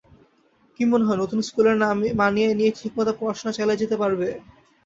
কি মনেহয়, নতুন স্কুলে মানিয়ে নিয়ে ঠিকমতো পড়াশোনা চালিয়ে যেতে পারবে?